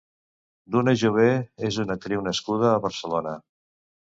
Duna Jové és una actriu nascuda a Barcelona.